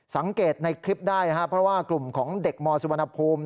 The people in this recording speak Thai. สังเกตในคลิปได้นะครับเพราะว่ากลุ่มของเด็กมสุวรรณภูมิ